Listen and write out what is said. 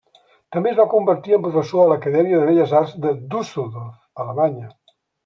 També es va convertir en professor a l'Acadèmia de Belles Arts de Düsseldorf, Alemanya.